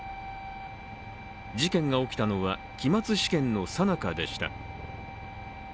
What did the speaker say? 事件が起きたのは、期末試験のさなかでした。